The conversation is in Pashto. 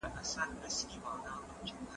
زوی مخکي کوم ځای ته ولاړ؟